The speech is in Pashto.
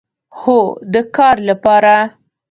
هو، د کار لپاره